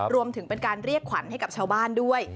รวมถึงเป็นการเรียกขวัญให้กับชาวบ้านด้วย